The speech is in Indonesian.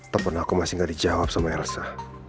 temen aku masih gak dijawab sama elsa